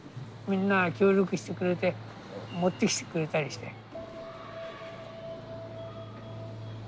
みんな協力してくれて持ってきてくれたりして。